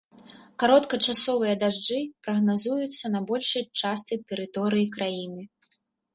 Кароткачасовыя дажджы прагназуюцца на большай частцы тэрыторыі краіны.